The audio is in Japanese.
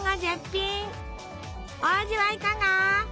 お味はいかが？